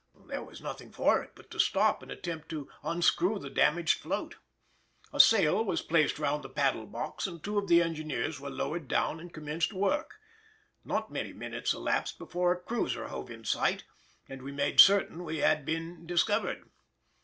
There was nothing for it but to stop and attempt to unscrew the damaged float; a sail was placed round the paddle box and two of the engineers were lowered down and commenced work: not many minutes elapsed before a cruiser hove in sight, and we made certain we had been discovered.